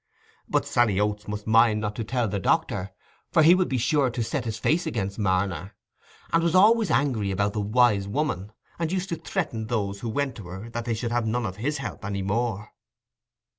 But Sally Oates must mind and not tell the doctor, for he would be sure to set his face against Marner: he was always angry about the Wise Woman, and used to threaten those who went to her that they should have none of his help any more.